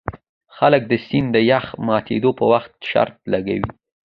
خلک د سیند د یخ ماتیدو په وخت شرط لګوي